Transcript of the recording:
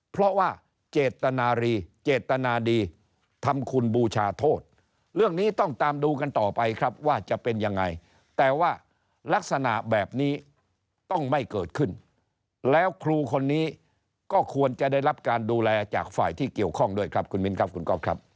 เพราะว่าเจตนารีเจตนาดีทำคุณบูชาโทษเรื่องนี้ต้องตามดูกันต่อไปครับว่าจะเป็นยังไงแต่ว่าลักษณะแบบนี้ต้องไม่เกิดขึ้นแล้วครูคนนี้ก็ควรจะได้รับการดูแลจากฝ่ายที่เกี่ยวข้องด้วยครับคุณมินครับคุณก๊อฟครับ